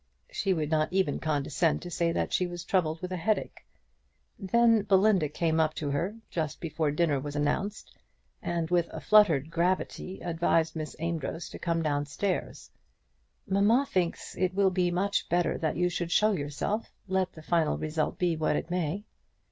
She would not even condescend to say that she was troubled with a headache. Then Belinda came up to her, just before dinner was announced, and with a fluttered gravity advised Miss Amedroz to come down stairs. "Mamma thinks it will be much better that you should show yourself, let the final result be what it may."